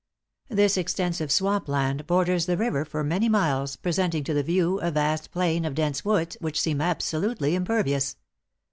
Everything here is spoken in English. This extensive swampland borders the river for many miles, presenting to the view a vast plain of dense woods which seem absolutely impervious.